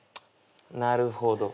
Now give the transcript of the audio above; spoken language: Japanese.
なるほど。